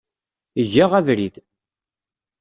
Eg-aɣ abrid.